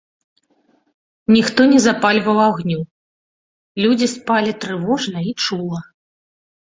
Ніхто не запальваў агню, людзі спалі трывожна і чула.